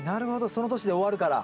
その年で終わるから。